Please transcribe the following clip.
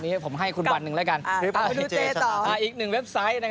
อีกหนึ่งเว็บไซต์นะครับ